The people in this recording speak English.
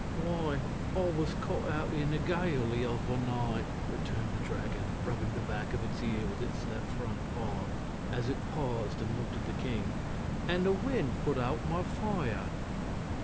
"Why, I was caught out in a gale the other night," returned the Dragon, rubbing the back of its ear with its left front paw, as it paused and looked at the king, "and the wind put out my fire."